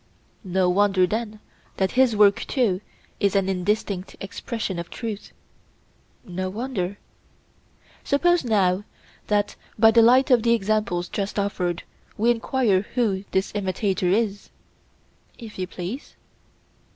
No wonder, then, that his work too is an indistinct expression of truth. No wonder. Suppose now that by the light of the examples just offered we enquire who this imitator is? If you please.